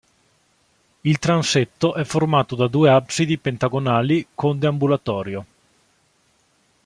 Il transetto è formato da due absidi pentagonali con deambulatorio.